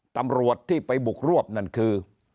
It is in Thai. ตำรวจที่ไปบุกรวบนั่นคือ